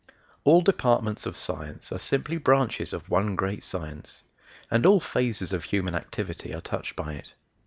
All departments of science are simply branches of one great science, and all phases of human activity are touched by it.